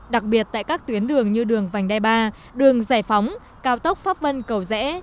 đặc biệt tại các tuyến đường như đường vành đai ba đường giải phóng cao tốc pháp vân cầu rẽ